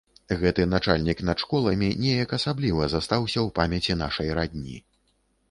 Гэты начальнік над школамі неяк асабліва застаўся ў памяці нашай радні.